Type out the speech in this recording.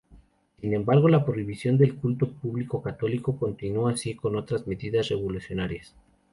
Sin embargo, la prohibición del culto público católico continuó así como otras medidas revolucionarias.